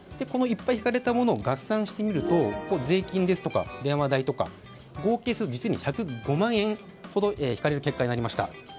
いっぱい引かれたものを合算してみると税金ですとか、電話代とか合計すると実に１０５万円ほど引かれる結果になりました。